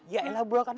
yaelah buah kan